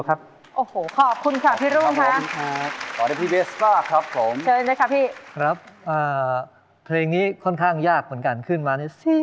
ครับเพลงนี้ค่อนข้างยากเหมือนการขึ้นมา